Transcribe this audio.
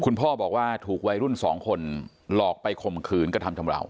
คุณพ่อบอกว่าถูกวัยรุ่นสองคนหลอกไปคมคืนกระทำจำเหล่า